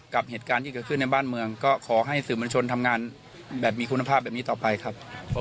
กับเหตุการณ์ที่เกิดขึ้นในบ้านเมืองก็ขอให้สื่อมวลชนทำงานแบบมีคุณภาพแบบนี้ต่อไปครับ